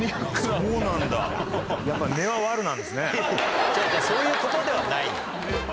違う違うそういうことではない。